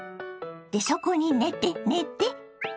でそこに寝て寝て。